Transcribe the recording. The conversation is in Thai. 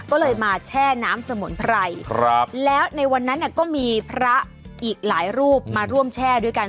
ก็เลยมาแช่น้ำสมุนไพรครับแล้วในวันนั้นก็มีพระอีกหลายรูปมาร่วมแช่ด้วยกัน